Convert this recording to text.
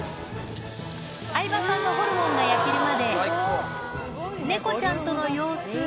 相葉さんのホルモンが焼けるまで猫ちゃんとの様子